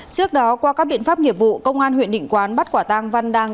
trước đó qua các biện pháp nghiệp vụ công an huyện định quán bắt quả tang văn đang